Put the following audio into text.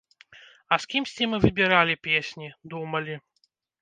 А з кімсьці мы выбіралі песні, думалі.